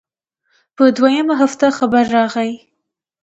پر دويمه هفته خبر راغى.